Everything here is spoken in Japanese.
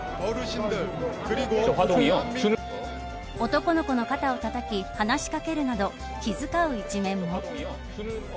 男の子の肩をたたき話し掛けるなど気遣う一面も。